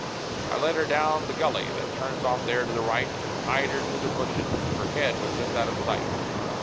I led her down the gully that turns off there to the right, And tied her to the bushes; her head was just out of sight.